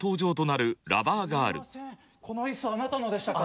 この椅子あなたのでしたか？